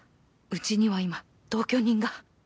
うちには今同居人が